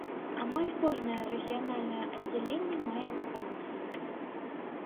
Амаль кожнае рэгіянальнае аддзяленне мае вакансіі.